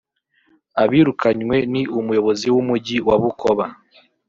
Abirukanywe ni Umuyobozi w’Umujyi wa Bukoba